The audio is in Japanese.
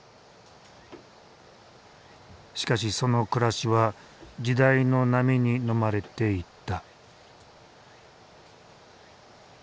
しかしその暮らしは時代の波にのまれていった。